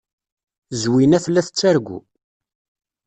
Zwina tella tettargu.